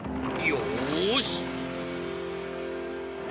よし！